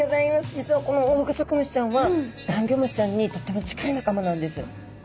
実はこのオオグソクムシちゃんはダンギョムシちゃんにとっても近い仲間なんです。